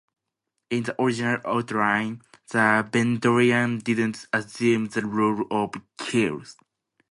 In the original outline, the Vendorian didn't assume the role of Kirk.